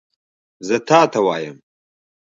زه تا ته وایم !